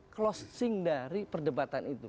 closing dari perdebatan itu